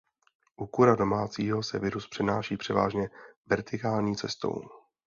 U kura domácího se virus přenáší převážně vertikální cestou.